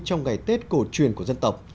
trong ngày tết cổ truyền của dân tộc